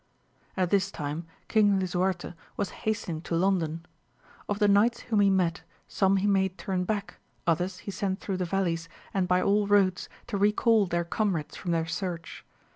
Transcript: At this time King Lisuarbe was hastening to London. Of the knights whom he met, some he made turn back, others he sent through the vallies and by all roads to recal their comrades from their search.